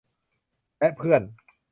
และเพื่อน